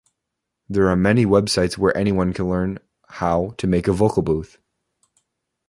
There are many websites where anyone can learn how to make a vocal booth.